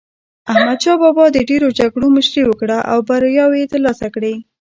احمد شاه بابا د ډېرو جګړو مشري وکړه او بریاوي یې ترلاسه کړې.